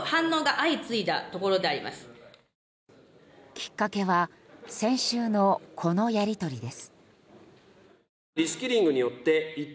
きっかけは先週の、このやり取りです。